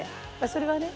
それはね